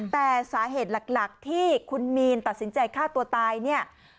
แต่สาเหตุหลักที่คุณมีนตัดสินใจฆ่าตัวตายเนี่ย